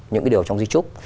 những cái điều trong dí trúc